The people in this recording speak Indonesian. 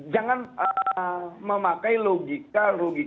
jangan memakai logika